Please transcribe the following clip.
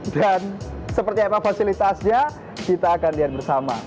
dan seperti apa fasilitasnya kita akan lihat bersama